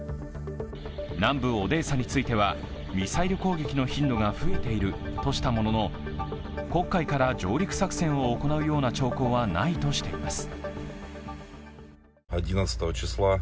南部オデーサについては、ミサイル攻撃の頻度が増えているとしたものの黒海から上陸作戦を行うような兆候はないとしています。